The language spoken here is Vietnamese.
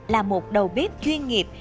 là một đầu bếp chuyên nghiệp